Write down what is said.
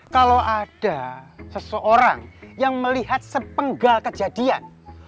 kalau ada seseorang yang melihat sepenggal kejadian